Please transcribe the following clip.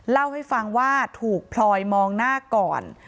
เล่าให้ฟังว่าถูกพลอยมองหน้าก่อน